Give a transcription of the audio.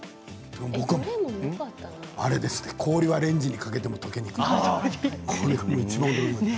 僕はあれですね氷はレンジにかけてもとけにくい。